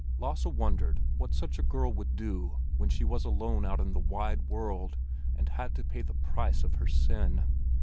Lasse wondered what such a girl would do when she was alone out in the wide world and had to pay the price of her sin.